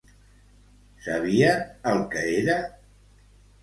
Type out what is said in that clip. Sabien el que era?